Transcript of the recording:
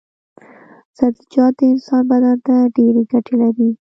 سبزيجات د انسان بدن ته ډېرې ګټې لري.